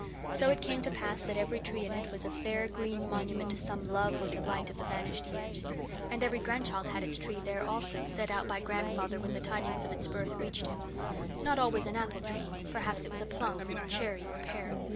So it came to pass that every tree in it was a fair green monument to some love or delight of the vanished years. And each grandchild had its tree, there, also, set out by grandfather when the tidings of its birth reached him; not always an apple tree perhaps it was a plum, or cherry or pear.